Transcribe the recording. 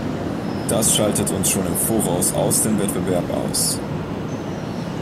Das schaltet uns schon im voraus aus dem Wettbewerb aus.